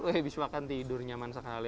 habis makan tidur nyaman sekali